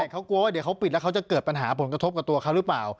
เขากลัวว่าเดี๋ยวเขาปิดแล้วเขาจะเกิดปัญหาผลกระทบกับตัวเขาหรือเปล่า